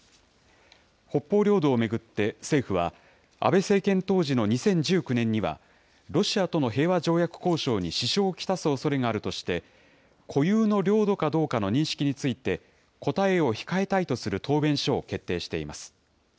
北方領土を巡って政府は、安倍政権当時の２０１９年には、ロシアとの平和条約交渉に支障を来すおそれがあるとして、固有の領土かどうかの認識について、答えを控えたいとする答弁書を決定しています。